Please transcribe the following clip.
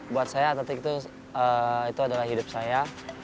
buat saya atletik itu adalah hidup saya